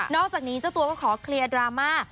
อกจากนี้เจ้าตัวก็ขอเคลียร์ดราม่า